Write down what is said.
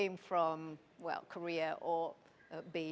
semua truk berdiri jauh dalam bumi